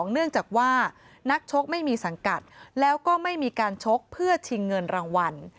เนื่องจากว่านักชกไม่มีสังกัดแล้วก็ไม่มีการชกเพื่อชิงเงินรางวัล